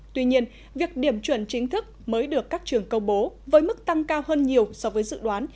tuy nhiên việc điểm chuẩn chính thức mới được các trường công bố với mức tăng cao hơn nhiều so với dự đoán